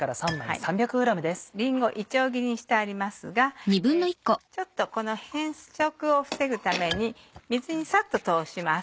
りんごいちょう切りにしてありますが変色を防ぐために水にサッと通します。